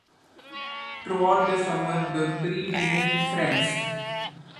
Throughout the summer, the three remain friends.